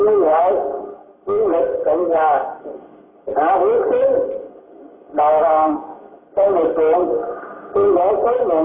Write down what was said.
tướng liên lạc tướng lực trưởng tướng lực trưởng tướng lỗ xuất tướng lực trưởng